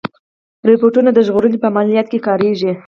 روبوټونه د ژغورنې په عملیاتو کې کارېږي.